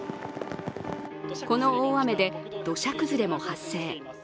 この大雨で土砂崩れも発生。